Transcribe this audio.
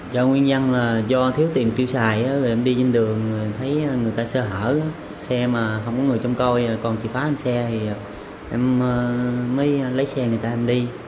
do nguyên nhân là do thiếu tiền tiêu xài em đi trên đường thấy người ta sơ hở xe mà không có người châm coi còn chỉ phá xe thì em mới lấy xe người ta em đi